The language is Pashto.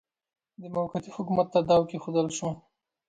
د موقتي حکومت تاداو کښېښودل شو.